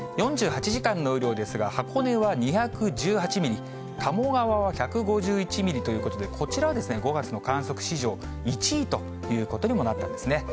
４８時間の雨量ですが、箱根は２１８ミリ、鴨川は１５１ミリということで、こちらは５月の観測史上１位ということにもなったんですね。